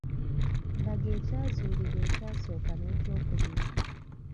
Laga ekyazuulibwa ekyasooka n’ekyokubiri